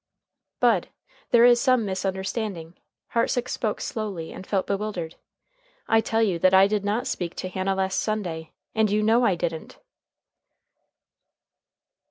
"Bud, there is some misunderstanding." Hartsook spoke slowly and felt bewildered. "I tell you that I did not speak to Hannah last Sunday, and you know I didn't."